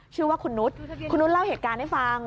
ชื่อว่าคุณนุษย์คุณนุษย์เล่าเหตุการณ์ให้ฟัง